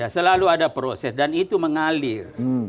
selalu ada proses dan itu mengalir